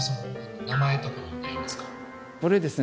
これですね